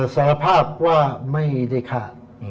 สารภาพว่าไม่ได้ฆ่า